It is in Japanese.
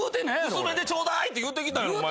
薄めでちょうだいって言うてきたやんお前が。